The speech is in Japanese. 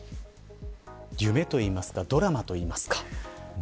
夢といいますかドラマといいますか。